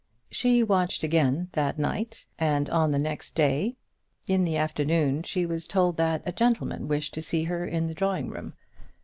She watched again that night; and on the next day, in the afternoon, she was told that a gentleman wished to see her in the drawing room.